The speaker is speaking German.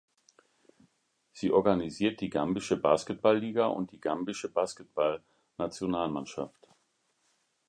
Sie organisiert die gambische Basketballliga und die Gambische Basketballnationalmannschaft.